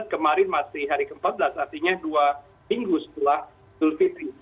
kemarin masih hari ke empat belas artinya dua minggu setelah idul fitri